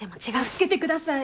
助けてください！